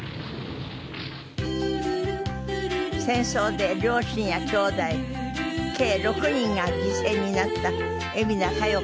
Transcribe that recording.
戦争で両親やきょうだい計６人が犠牲になった海老名香葉子さん。